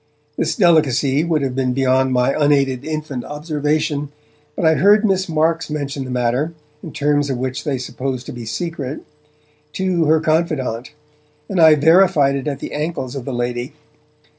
This delicacy would have been beyond my unaided infant observation, but I heard Miss Marks mention the matter, in terms which they supposed to be secret, to her confidante, and I verified it at the ankles of the lady.